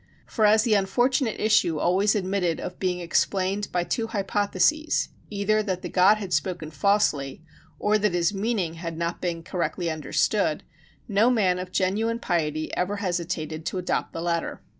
For as the unfortunate issue always admitted of being explained upon two hypotheses either that the god had spoken falsely, or that his meaning had not been correctly understood no man of genuine piety ever hesitated to adopt the latter.